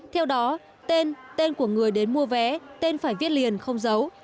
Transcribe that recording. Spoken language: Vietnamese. theo đó tên tên của người đến mua vé tên phải viết liền không giấu